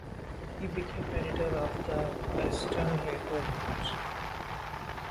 He became editor of the "Western Labour News".